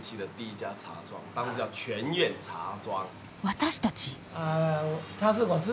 私たち？